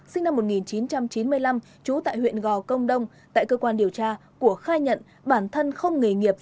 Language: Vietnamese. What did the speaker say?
sinh năm một nghìn chín trăm chín mươi năm trú tại huyện gò công đông tại cơ quan điều tra của khai nhận bản thân không nghề nghiệp